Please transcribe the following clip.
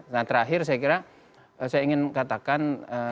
nah terakhir saya kira saya ingin katakan